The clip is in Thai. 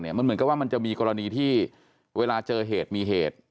มันเหมือนกับว่ามันจะมีกรณีที่เวลาเจอเหตุมีเหตุ